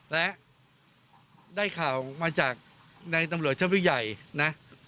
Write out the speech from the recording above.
และได้ข่าวมาจากในตำรวจชั้นผู้ใหญ่นะ